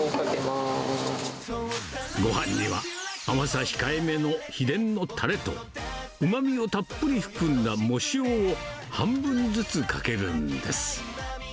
ごはんには、甘さ控えめの秘伝のたれと、うまみをたっぷり含んだ藻塩を半分ずつかけるんです。